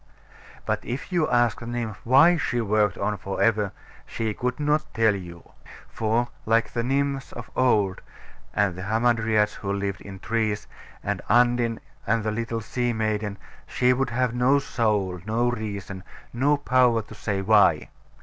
But if you asked the nymph why she worked on for ever, she could not tell you. For like the Nymphs of old, and the Hamadryads who lived, in trees, and Undine, and the little Sea maiden, she would have no soul; no reason; no power to say why.